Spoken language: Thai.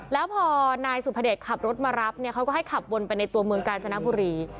แล้วพอนายสุภเดชขับรถมารับเนี่ยเขาก็ให้ขับวนไปในตัวเมืองกาญจนบุรี